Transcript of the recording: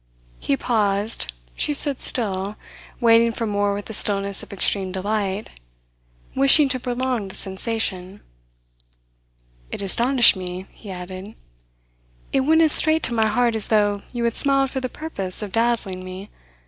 He paused. She stood still, waiting for more with the stillness of extreme delight, wishing to prolong the sensation. "It astonished me," he added. "It went as straight to my heart as though you had smiled for the purpose of dazzling me.